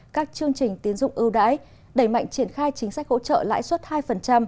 các chương trình tiến dụng ưu đãi đẩy mạnh triển khai chính sách hỗ trợ lãi suất hai